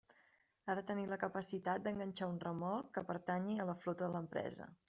Ha de tenir la capacitat d'enganxar un remolc que pertanyi a la flota de l'empresa.